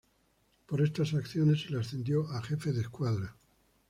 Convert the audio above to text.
Por estas acciones, se le ascendió a jefe de escuadra.